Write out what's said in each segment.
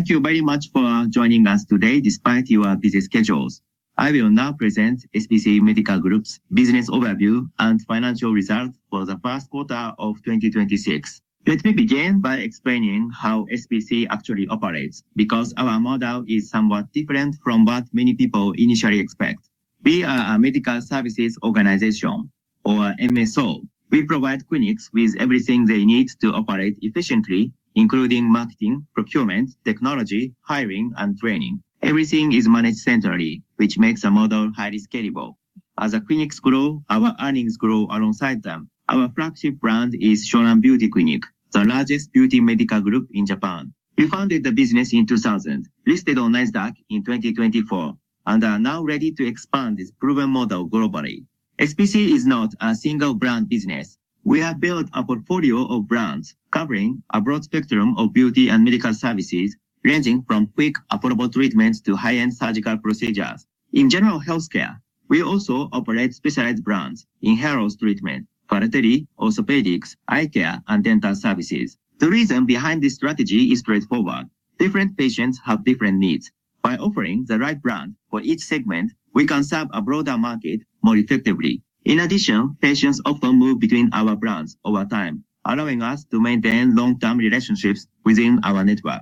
Thank you very much for joining us today despite your busy schedules. I will now present SBC Medical Group's business overview and financial results for the first quarter of 2026. Let me begin by explaining how SBC actually operates, because our model is somewhat different from what many people initially expect. We are a Medical Services Organization or MSO. We provide clinics with everything they need to operate efficiently, including marketing, procurement, technology, hiring, and training. Everything is managed centrally, which makes the model highly scalable. As the clinics grow, our earnings grow alongside them. Our flagship brand is Shonan Beauty Clinic, the largest beauty medical group in Japan. We founded the business in 2000, listed on NASDAQ in 2024, and are now ready to expand this proven model globally. SBC is not a single brand business. We have built a portfolio of brands covering a broad spectrum of beauty and medical services, ranging from quick, affordable treatments to high-end surgical procedures. In general healthcare, we also operate specialized brands in hair loss treatment, fertility, orthopedics, eye care, and dental services. The reason behind this strategy is straightforward. Different patients have different needs. By offering the right brand for each segment, we can serve a broader market more effectively. In addition, patients often move between our brands over time, allowing us to maintain long-term relationships within our network.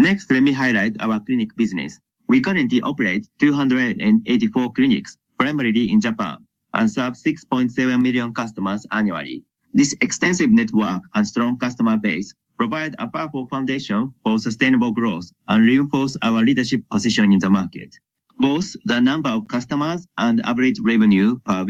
Next, let me highlight our clinic business. We currently operate 284 clinics, primarily in Japan, and serve 6.7 million customers annually. This extensive network and strong customer base provide a powerful foundation for sustainable growth and reinforce our leadership position in the market. Both the number of customers and average revenue per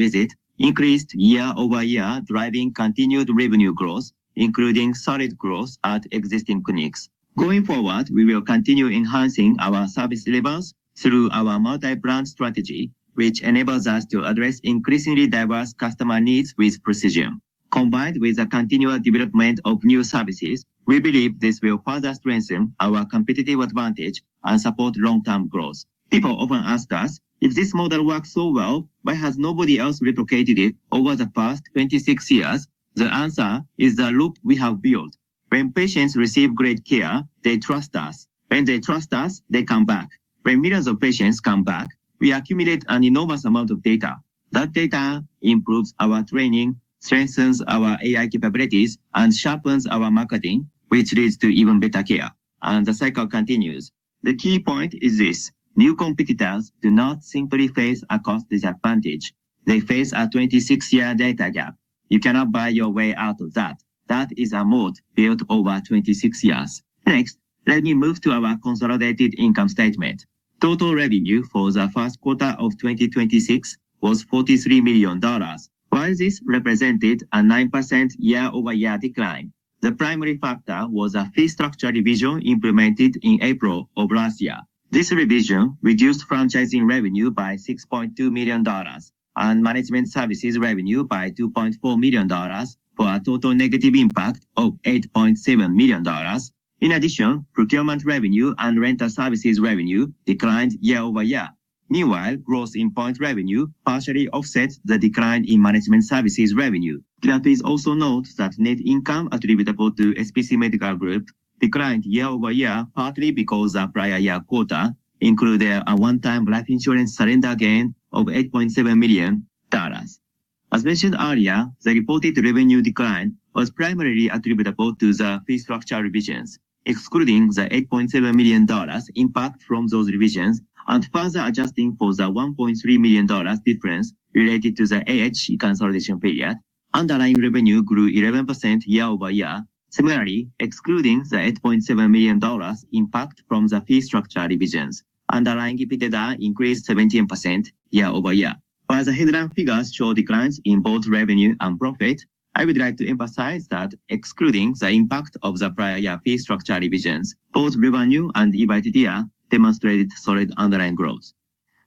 visit increased year-over-year, driving continued revenue growth, including solid growth at existing clinics. Going forward, we will continue enhancing our service levels through our multi-brand strategy, which enables us to address increasingly diverse customer needs with precision. Combined with the continual development of new services, we believe this will further strengthen our competitive advantage and support long-term growth. People often ask us, "If this model works so well, why has nobody else replicated it over the past 26 years?" The answer is the loop we have built. When patients receive great care, they trust us. When they trust us, they come back. When millions of patients come back, we accumulate an enormous amount of data. That data improves our training, strengthens our AI capabilities, and sharpens our marketing, which leads to even better care, and the cycle continues. The key point is this. New competitors do not simply face a cost disadvantage. They face a 26-year data gap. You cannot buy your way out of that. That is a moat built over 26 years. Next, let me move to our consolidated income statement. Total revenue for the first quarter of 2026 was $43 million. While this represented a 9% year-over-year decline, the primary factor was a fee structure revision implemented in April of last year. This revision reduced franchising revenue by $6.2 million and management services revenue by $2.4 million, for a total negative impact of $8.7 million. In addition, procurement revenue and rental services revenue declined year-over-year. Meanwhile, growth in point revenue partially offset the decline in management services revenue. Please also note that net income attributable to SBC Medical Group declined year-over-year, partly because the prior year quarter included a one-time life insurance surrender gain of $8.7 million. As mentioned earlier, the reported revenue decline was primarily attributable to the fee structure revisions. Excluding the $8.7 million impact from those revisions and further adjusting for the $1.3 million difference related to the AH consolidation period, underlying revenue grew 11% year-over-year. Similarly, excluding the $8.7 million impact from the fee structure revisions, underlying EBITDA increased 17% year-over-year. While the headline figures show declines in both revenue and profit, I would like to emphasize that excluding the impact of the prior year fee structure revisions, both revenue and EBITDA demonstrated solid underlying growth.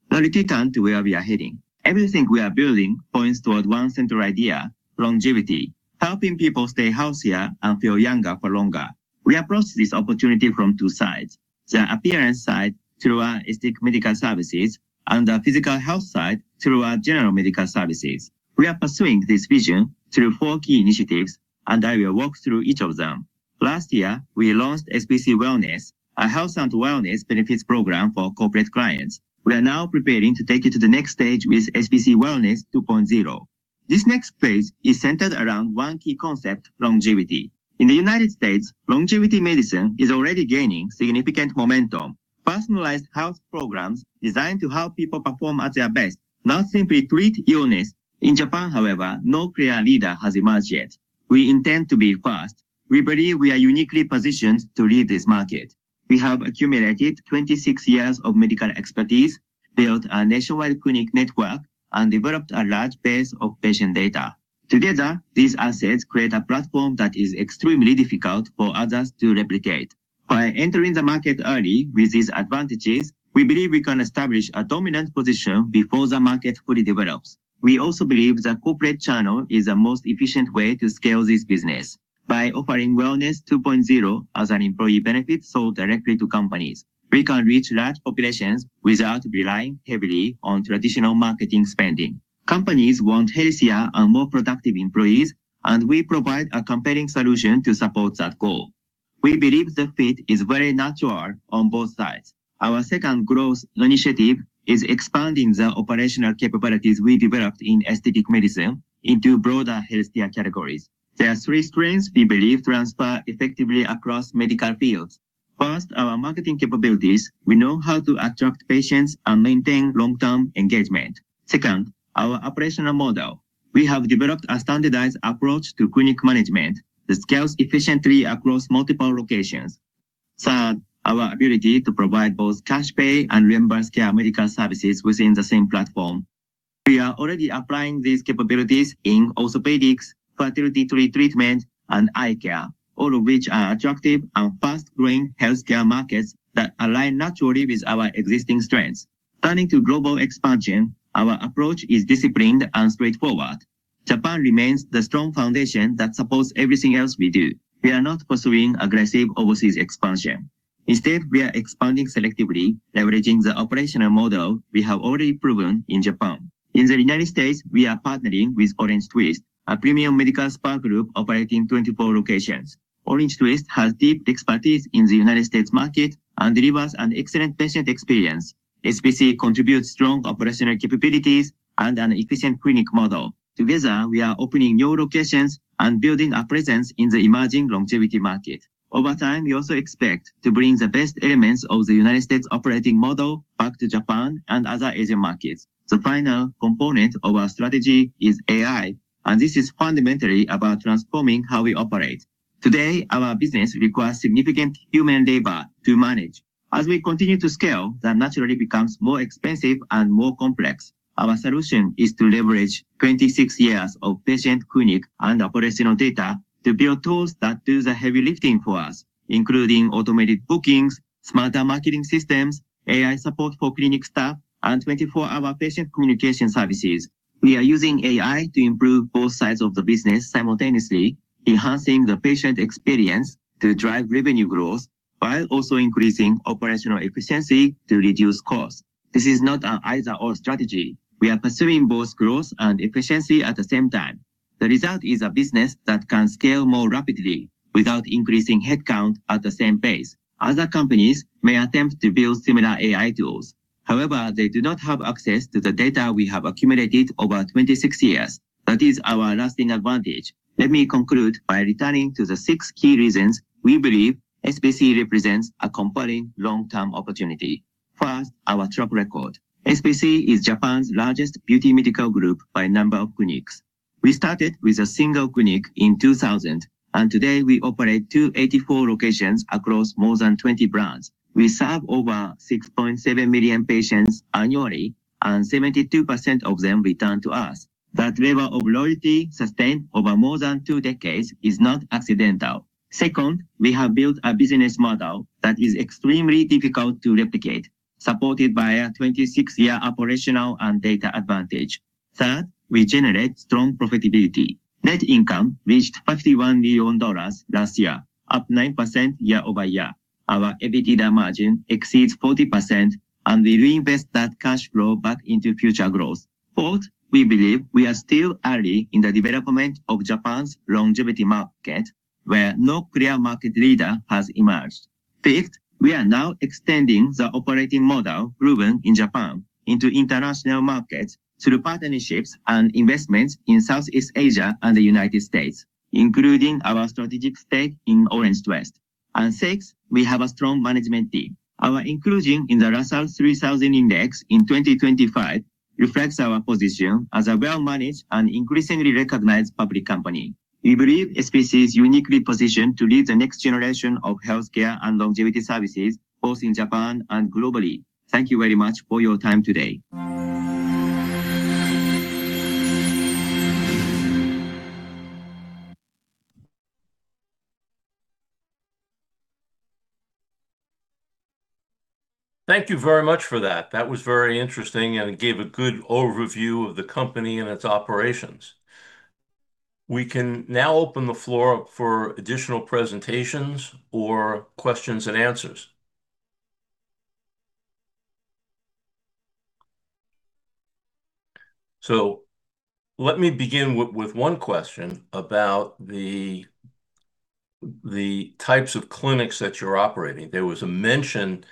Let me turn to where we are heading. Everything we are building points toward one central idea, longevity, helping people stay healthier and feel younger for longer. We approach this opportunity from two sides, the appearance side through our aesthetic medical services and the physical health side through our general medical services. We are pursuing this vision through four key initiatives, I will walk through each of them. Last year, we launched SBC Wellness, a health and wellness benefits program for corporate clients. We are now preparing to take it to the next stage with SBC Wellness 2.0. This next phase is centered around one key concept, longevity. In the U.S., longevity medicine is already gaining significant momentum. Personalized health programs designed to help people perform at their best, not simply treat illness. In Japan, however, no clear leader has emerged yet. We intend to be first. We believe we are uniquely positioned to lead this market. We have accumulated 26 years of medical expertise, built a nationwide clinic network, and developed a large base of patient data. Together, these assets create a platform that is extremely difficult for others to replicate. By entering the market early with these advantages, we believe we can establish a dominant position before the market fully develops. We also believe the corporate channel is the most efficient way to scale this business. By offering Wellness 2.0 as an employee benefit sold directly to companies, we can reach large populations without relying heavily on traditional marketing spending. Companies want healthier and more productive employees, and we provide a compelling solution to support that goal. We believe the fit is very natural on both sides. Our second growth initiative is expanding the operational capabilities we developed in aesthetic medicine into broader healthcare categories. There are three strengths we believe transfer effectively across medical fields. First, our marketing capabilities. We know how to attract patients and maintain long-term engagement. Second, our operational model. We have developed a standardized approach to clinic management that scales efficiently across multiple locations. Third, our ability to provide both cash pay and reimbursed care medical services within the same platform. We are already applying these capabilities in orthopedics, fertility treatment, and eye care, all of which are attractive and fast-growing healthcare markets that align naturally with our existing strengths. Turning to global expansion, our approach is disciplined and straightforward. Japan remains the strong foundation that supports everything else we do. We are not pursuing aggressive overseas expansion. Instead, we are expanding selectively, leveraging the operational model we have already proven in Japan. In the United States, we are partnering with OrangeTwist, a premium medical spa group operating 24 locations. OrangeTwist has deep expertise in the United States market and delivers an excellent patient experience. SBC contributes strong operational capabilities and an efficient clinic model. Together, we are opening new locations and building a presence in the emerging longevity market. Over time, we also expect to bring the best elements of the United States operating model back to Japan and other Asian markets. The final component of our strategy is AI. This is fundamentally about transforming how we operate. Today, our business requires significant human labor to manage. As we continue to scale, that naturally becomes more expensive and more complex. Our solution is to leverage 26 years of patient clinic and operational data to build tools that do the heavy lifting for us, including automated bookings, smarter marketing systems, AI support for clinic staff, and 24-hour patient communication services. We are using AI to improve both sides of the business simultaneously, enhancing the patient experience to drive revenue growth, while also increasing operational efficiency to reduce costs. This is not an either/or strategy. We are pursuing both growth and efficiency at the same time. The result is a business that can scale more rapidly without increasing headcount at the same pace. Other companies may attempt to build similar AI tools. However, they do not have access to the data we have accumulated over 26 years. That is our lasting advantage. Let me conclude by returning to the six key reasons we believe SBC represents a compelling long-term opportunity. First, our track record. SBC is Japan's largest beauty medical group by number of clinics. We started with a single clinic in 2000. Today we operate 284 locations across more than 20 brands. We serve over 6.7 million patients annually. 72% of them return to us. That level of loyalty sustained over more than two decades is not accidental. Second, we have built a business model that is extremely difficult to replicate, supported by a 26-year operational and data advantage. Third, we generate strong profitability. Net income reached $51 million last year, up 9% year-over-year. Our EBITDA margin exceeds 40%. We reinvest that cash flow back into future growth. Fourth, we believe we are still early in the development of Japan's longevity market, where no clear market leader has emerged. Fifth, we are now extending the operating model proven in Japan into international markets through partnerships and investments in Southeast Asia and the U.S., including our strategic stake in OrangeTwist. Sixth, we have a strong management team. Our inclusion in the Russell 3000 Index in 2025 reflects our position as a well-managed and increasingly recognized public company. We believe SBC is uniquely positioned to lead the next generation of healthcare and longevity services, both in Japan and globally. Thank you very much for your time today. Thank you very much for that. That was very interesting, and it gave a good overview of the company and its operations. We can now open the floor up for additional presentations or questions and answers. Let me begin with one question about the types of clinics that you're operating. There was a mention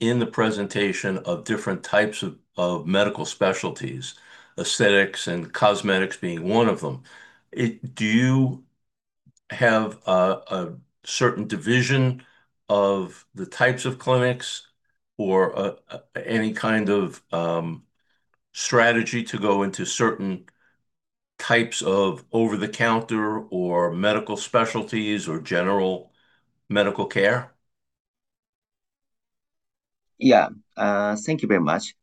in the presentation of different types of medical specialties, aesthetics and cosmetics being one of them. Do you have a certain division of the types of clinics or any kind of strategy to go into certain types of over-the-counter or medical specialties or general medical care? Yeah. Thank you very much.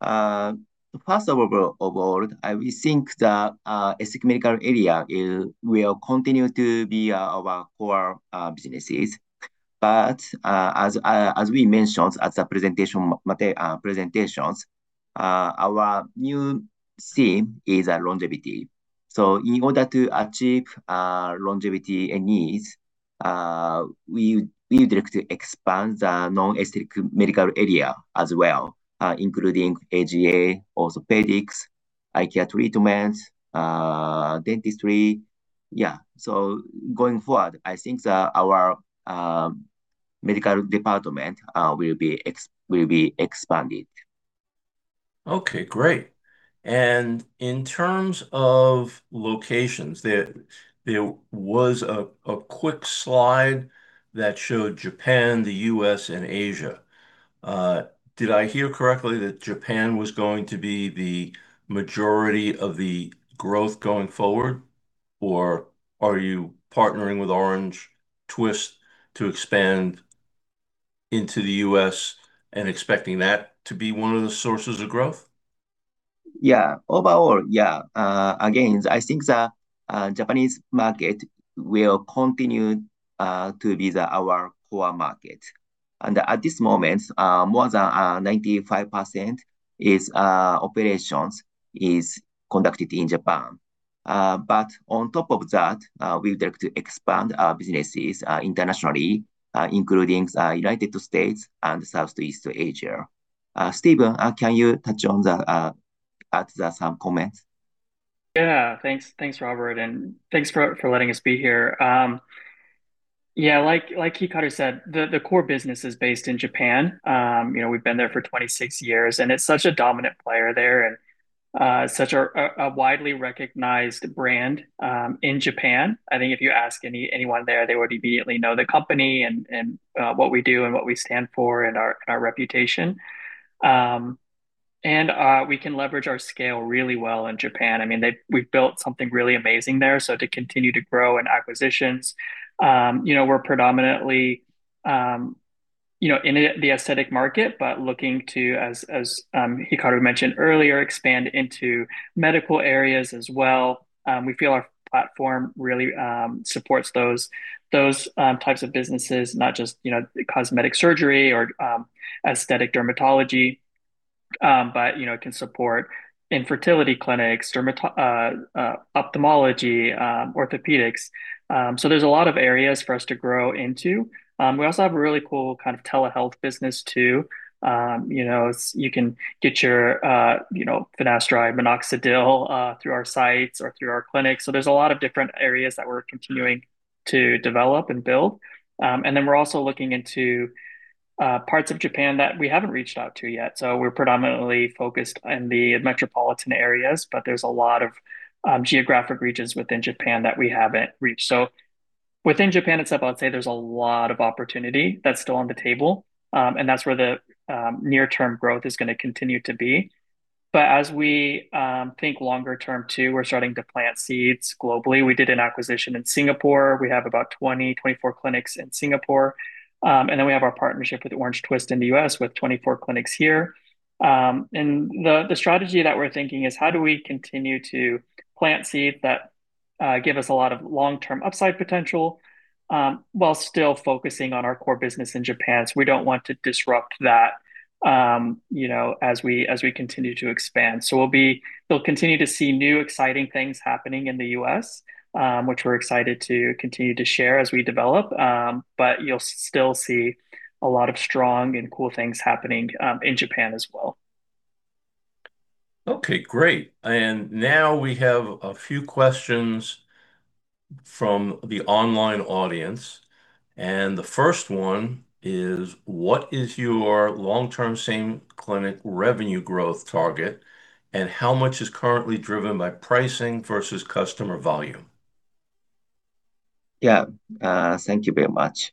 First of all, we think the aesthetic medical area will continue to be our core businesses. As we mentioned at the presentations, our new theme is longevity. In order to achieve longevity needs. We would like to expand the non-aesthetic medical area as well, including AGA, orthopedics, eye care treatments, dentistry. Yeah. Going forward, I think that our medical department will be expanded. Okay, great. In terms of locations, there was a quick slide that showed Japan, the U.S., and Asia. Did I hear correctly that Japan was going to be the majority of the growth going forward? Are you partnering with OrangeTwist to expand into the U.S. and expecting that to be one of the sources of growth? Again, I think the Japanese market will continue to be our core market. At this moment, more than 95% is operations is conducted in Japan. On top of that, we would like to expand our businesses internationally, including United States and Southeast Asia. Stephen, can you touch on that, add some comments? Yeah. Thanks, Robert, thanks for letting us be here. Yeah, like Hikaru said, the core business is based in Japan. We've been there for 26 years. It's such a dominant player there and such a widely recognized brand in Japan. I think if you ask anyone there, they would immediately know the company and what we do and what we stand for and our reputation. We can leverage our scale really well in Japan. We've built something really amazing there to continue to grow and acquisitions. We're predominantly in the aesthetic market, looking to, as Hikaru mentioned earlier, expand into medical areas as well. We feel our platform really supports those types of businesses, not just cosmetic surgery or aesthetic dermatology, but it can support infertility clinics, ophthalmology, orthopedics. There's a lot of areas for us to grow into. We also have a really cool kind of telehealth business, too. You can get your finasteride, minoxidil through our sites or through our clinics. There's a lot of different areas that we're continuing to develop and build. We're also looking into parts of Japan that we haven't reached out to yet. We're predominantly focused in the metropolitan areas, but there's a lot of geographic regions within Japan that we haven't reached. Within Japan itself, I'd say there's a lot of opportunity that's still on the table, and that's where the near-term growth is going to continue to be. As we think longer term, too, we're starting to plant seeds globally. We did an acquisition in Singapore. We have about 20, 24 clinics in Singapore. We have our partnership with OrangeTwist in the U.S. with 24 clinics here. The strategy that we're thinking is, how do we continue to plant seeds that give us a lot of long-term upside potential, while still focusing on our core business in Japan? We don't want to disrupt that as we continue to expand. You'll continue to see new, exciting things happening in the U.S., which we're excited to continue to share as we develop. You'll still see a lot of strong and cool things happening in Japan as well. Okay, great. Now we have a few questions from the online audience. The first one is, what is your long-term same clinic revenue growth target, and how much is currently driven by pricing versus customer volume? Yeah. Thank you very much.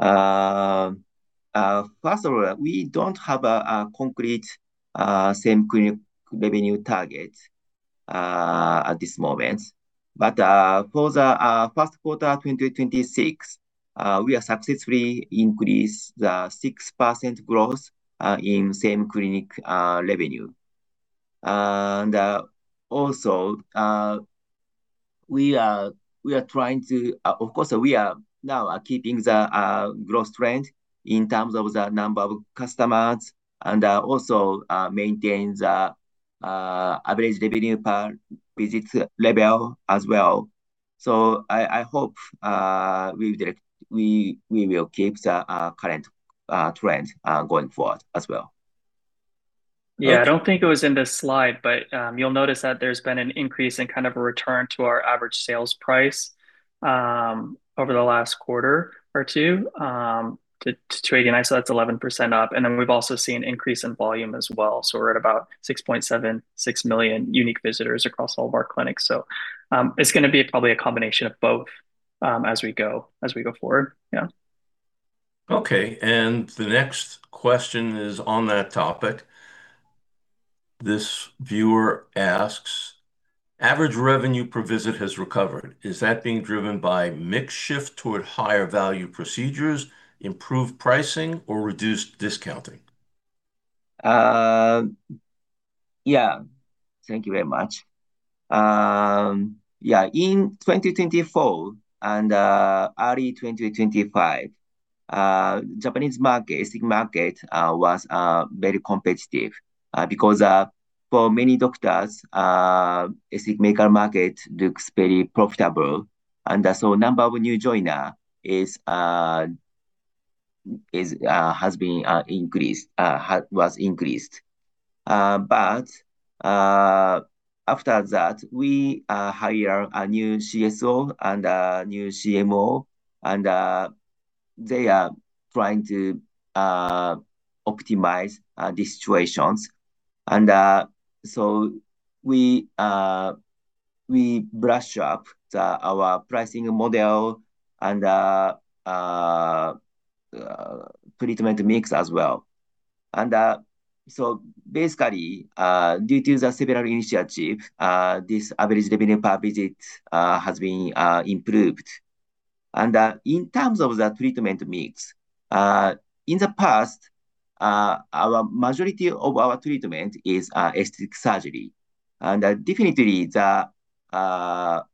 First of all, we don't have a concrete same clinic revenue target at this moment. For the first quarter 2026, we are successfully increase the 6% growth in same clinic revenue. Of course, we are now keeping the growth trend in terms of the number of customers and also maintain the average revenue per visit level as well. I hope we will keep the current trend going forward as well. Yeah, I don't think it was in this slide, but you'll notice that there's been an increase and kind of a return to our average sales price over the last quarter or two to. [inaudible] That's 11% up. We've also seen increase in volume as well. We're at about 6.76 million unique visitors across all of our clinics. It's going to be probably a combination of both as we go forward. Yeah. Okay, the next question is on that topic. This viewer asks: Average revenue per visit has recovered. Is that being driven by mix shift toward higher value procedures, improved pricing, or reduced discounting? Yeah. Thank you very much. Yeah. In 2024 and early 2025, Japanese market, aesthetic market, was very competitive, because for many doctors, aesthetic medical market looks very profitable. Number of new joiner was increased. After that, we hire a new CSO and a new CMO, and they are trying to optimize these situations. We brush up our pricing model and our treatment mix as well. Basically, due to the several initiative, this average revenue per visit has been improved. In terms of the treatment mix, in the past, our majority of our treatment is aesthetic surgery. Definitely, the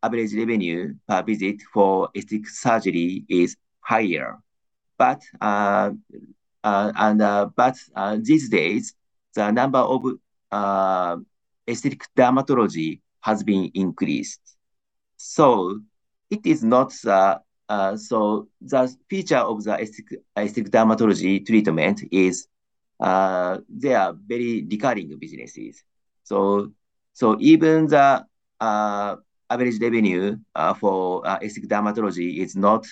average revenue per visit for aesthetic surgery is higher. These days, the number of aesthetic dermatology has been increased. The feature of the aesthetic dermatology treatment is they are very recurring businesses. Even the average revenue for aesthetic dermatology is not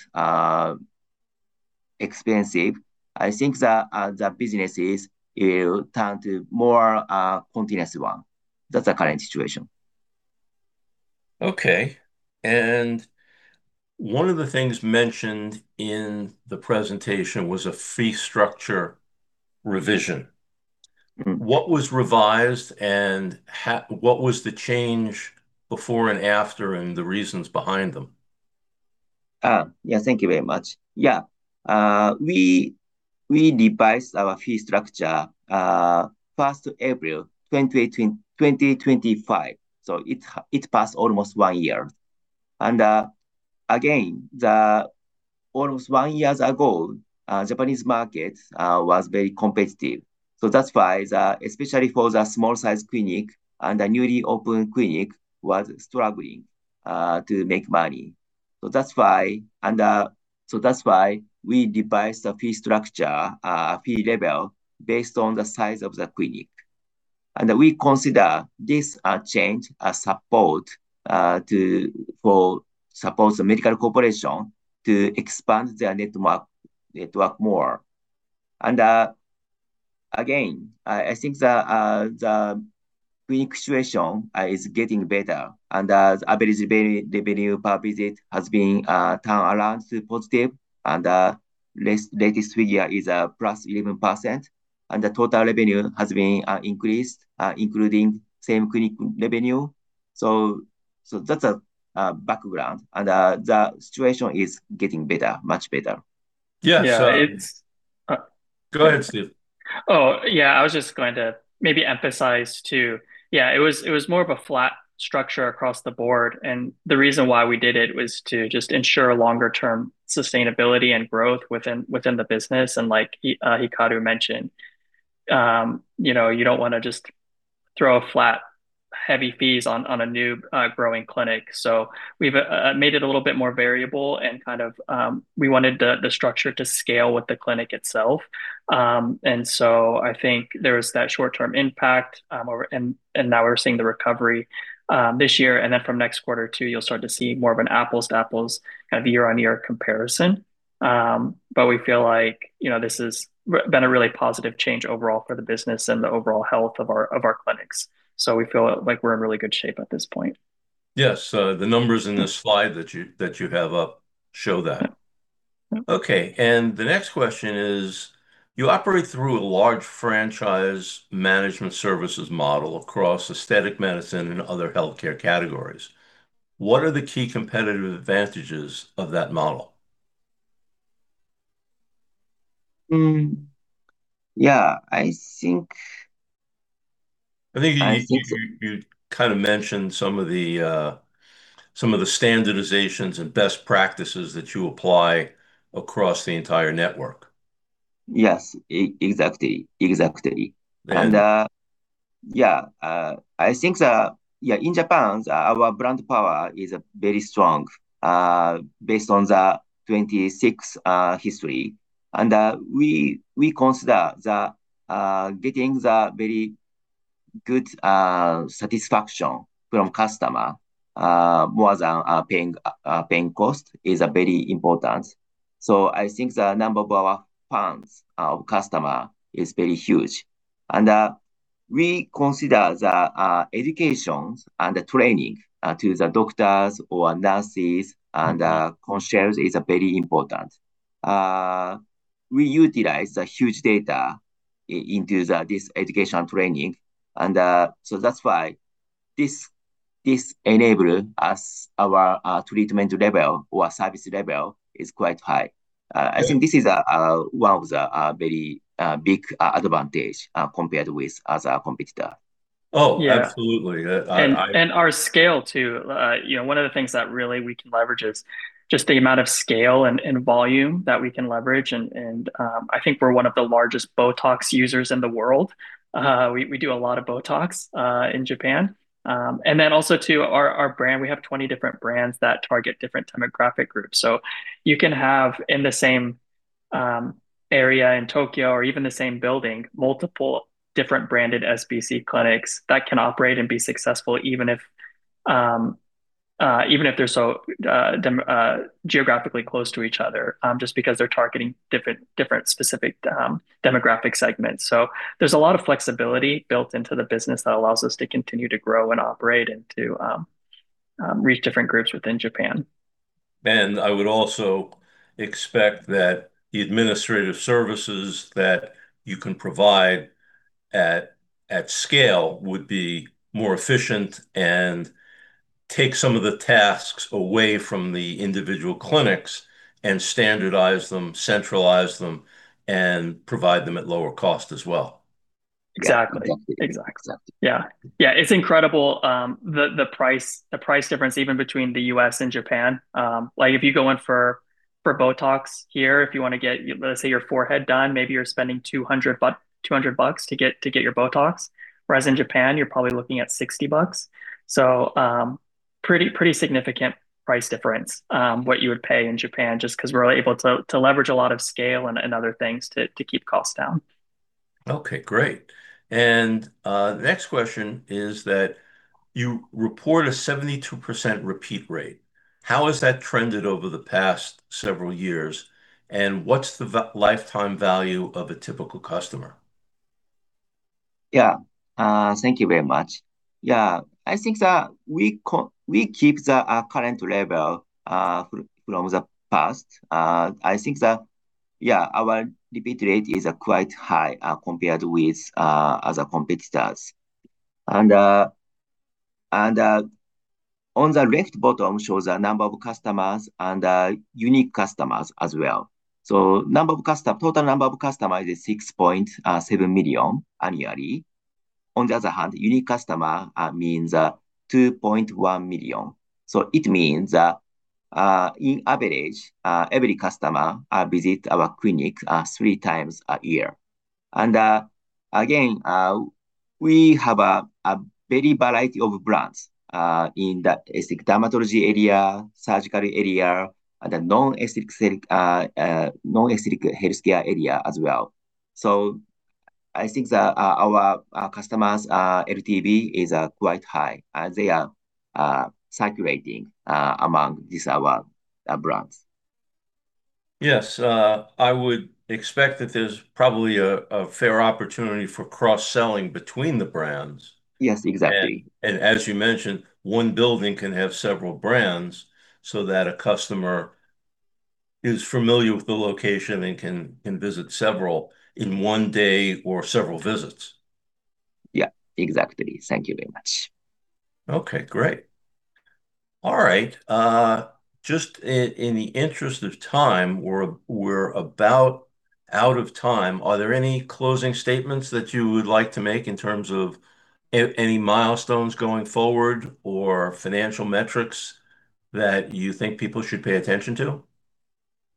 expensive. I think the businesses will turn to more continuous one. That's the current situation. Okay. One of the things mentioned in the presentation was a fee structure revision. What was revised and what was the change before and after, and the reasons behind them? Yeah. Thank you very much. Yeah. It passed almost one year. Again, almost one years ago, Japanese market was very competitive. That's why, especially for the small size clinic and the newly open clinic, was struggling to make money. That's why we revised the fee structure, fee level, based on the size of the clinic. And we consider this change a support to for suppose the medical corporation to expand their network more. Again, I think the clinic situation is getting better, and the average revenue per visit has been turned around to positive. Latest figure is +11%, and the total revenue has been increased, including same clinic revenue. That's a background, and the situation is getting better, much better. Yeah, so- Yeah, it's- Go ahead, Steve. Yeah. I was just going to maybe emphasize, too. It was more of a flat structure across the board. The reason why we did it was to just ensure longer term sustainability and growth within the business. Like Hikaru mentioned, you don't want to just throw flat heavy fees on a new growing clinic. We've made it a little bit more variable. Kind of we wanted the structure to scale with the clinic itself. I think there was that short-term impact. Now we're seeing the recovery this year. From next quarter too, you'll start to see more of an apples to apples kind of year-on-year comparison. We feel like this has been a really positive change overall for the business and the overall health of our clinics. We feel like we're in really good shape at this point. Yes. The numbers in the slide that you have up show that. Yeah. Okay. The next question is, you operate through a large franchise management services model across aesthetic medicine and other healthcare categories. What are the key competitive advantages of that model? Yeah. I think you- I think- you kind of mentioned some of the standardizations and best practices that you apply across the entire network. Yes, exactly. Exactly. And- Yeah, I think in Japan, our brand power is very strong based on the 26 history. We consider getting the very good satisfaction from customer, more than paying cost, is very important. I think the number of our fans, our customer, is very huge. We consider the educations and the training to the doctors or nurses and concierges is very important. We utilize the huge data into this education training. That's why this enable us, our treatment level or service level is quite high. I think this is one of the very big advantage compared with other competitor. Oh, absolutely. Our scale too. One of the things that really we can leverage is just the amount of scale and volume that we can leverage and I think we're one of the largest Botox users in the world. We do a lot of Botox in Japan. Also too, our brand, we have 20 different brands that target different demographic groups. You can have in the same area in Tokyo or even the same building, multiple different branded SBC clinics that can operate and be successful, even if they're so geographically close to each other, just because they're targeting different specific demographic segments. There's a lot of flexibility built into the business that allows us to continue to grow and operate and to reach different groups within Japan. I would also expect that the administrative services that you can provide at scale would be more efficient and take some of the tasks away from the individual clinics and standardize them, centralize them, and provide them at lower cost as well. Exactly. Yeah. It's incredible, the price difference even between the U.S. and Japan. If you go in for Botox here, if you want to get, let's say, your forehead done, maybe you're spending $200 to get your Botox. Whereas in Japan, you're probably looking at $60. Pretty significant price difference what you would pay in Japan, just because we're able to leverage a lot of scale and other things to keep costs down. Okay, great. Next question is that you report a 72% repeat rate. How has that trended over the past several years, and what's the lifetime value of a typical customer? Thank you very much. I think that we keep the current level from the past. I think that our repeat rate is quite high compared with other competitors. On the left bottom shows the number of customers and unique customers as well. Total number of customers is 6.7 million annually. On the other hand, unique customer means 2.1 million. It means that in average, every customer visit our clinic three times a year. Again, we have a very variety of brands in the aesthetic dermatology area, surgical area, and the non-aesthetic healthcare area as well. I think that our customers' LTV is quite high as they are circulating among these, our brands. Yes. I would expect that there's probably a fair opportunity for cross-selling between the brands. Yes, exactly. As you mentioned, one building can have several brands so that a customer is familiar with the location and can visit several in one day or several visits. Yeah, exactly. Thank you very much. Okay, great. All right. Just in the interest of time, we're about out of time. Are there any closing statements that you would like to make in terms of any milestones going forward or financial metrics that you think people should pay attention to?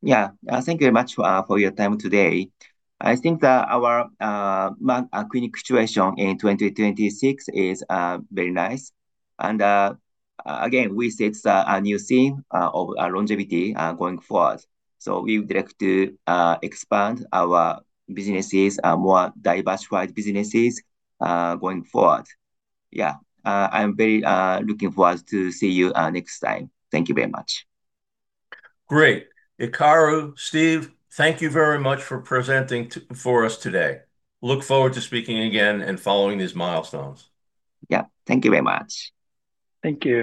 Yeah. Thank you very much for your time today. I think that our clinic situation in 2026 is very nice. Again, we set a new theme of longevity going forward. We would like to expand our businesses, our more diversified businesses going forward. Yeah. I'm very looking forward to see you next time. Thank you very much. Great. Hikaru, Steve, thank you very much for presenting for us today. Look forward to speaking again and following these milestones. Yeah. Thank you very much. Thank you.